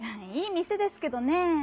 いいみせですけどねぇ。